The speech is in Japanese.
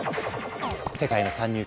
世界の参入